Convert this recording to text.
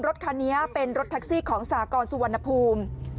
รถคันนี้เป็นรถแท็กซี่ของสากรสุวรรณภูมิ